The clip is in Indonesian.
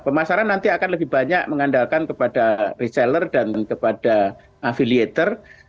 pemasaran nanti akan lebih banyak mengandalkan kepada reseller dan kepada afiliator